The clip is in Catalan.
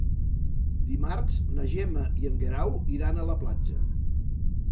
Dimarts na Gemma i en Guerau iran a la platja.